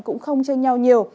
cũng không chênh nhau nhiều